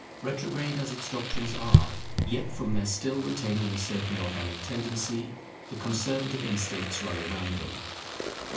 Retrograde as its doctrines are, yet from their still retaining a certain organic tendency, the conservative instincts rally round them.